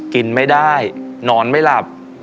กินไม่ได้นอนไม่หลับ